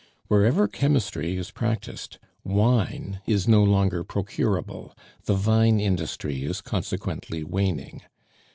Wherever chemistry is practised, wine is no longer procurable; the vine industry is consequently waning.